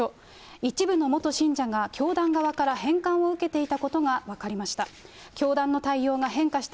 一部の元信者が教団側から返還を受けていたことが分かりました。